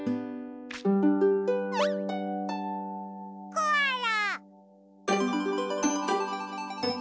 コアラ。